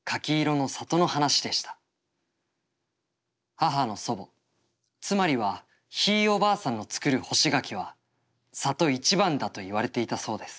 「母の祖母つまりはひいおばあさんの作る干し柿は里一番だと言われていたそうです。